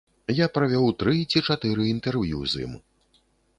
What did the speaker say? Я правёў тры ці чатыры інтэрв'ю з ім.